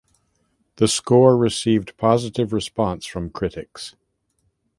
The score received positive response from critics.